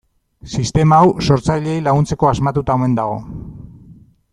Sistema hau sortzaileei laguntzeko asmatuta omen dago.